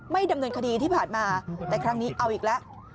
ดำเนินคดีที่ผ่านมาแต่ครั้งนี้เอาอีกแล้ว